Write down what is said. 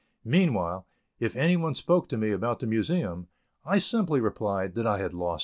Meanwhile, if any one spoke to me about the Museum, I simply replied that I had lost it.